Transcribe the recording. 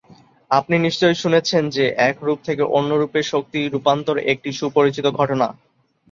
আপনি নিশ্চয়ই শুনেছেন যে এক রূপ থেকে অন্য রূপে শক্তি রূপান্তর একটি সুপরিচিত ঘটনা।